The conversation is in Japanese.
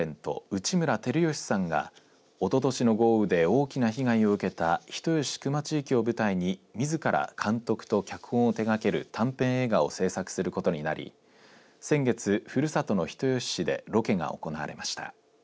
内村光良さんがおととしの豪雨で大きな被害を受けた人吉球磨地域を舞台にみずから監督と脚本を手がける短編映画を製作することになり先月ふるさとの人吉市でロケが行われました。